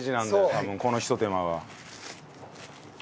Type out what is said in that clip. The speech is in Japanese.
多分このひと手間が。